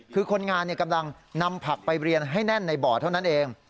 คือคนงานกำลังนำผักไปเรียนให้แน่นในบ่อเท่านั้นเอง